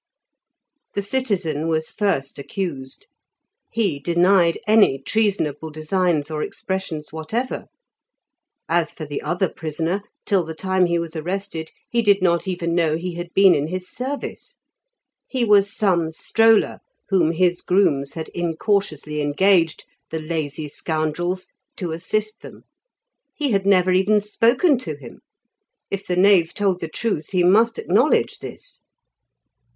The citizen was first accused; he denied any treasonable designs or expressions whatever; as for the other prisoner, till the time he was arrested he did not even know he had been in his service. He was some stroller whom his grooms had incautiously engaged, the lazy scoundrels, to assist them. He had never even spoken to him; it the knave told the truth he must acknowledge this.